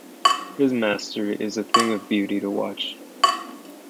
His mastery is a thing of beauty to watch.